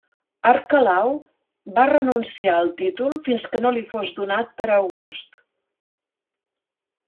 Arquelau va renunciar al títol fins que no li fos donat per August.